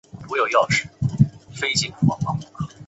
现在蒙古包顶部均已涂上橙色或棕色。